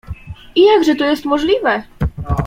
„I jakże to jest możliwe?”.